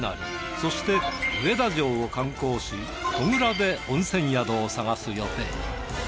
そして上田城を観光し戸倉で温泉宿を探す予定。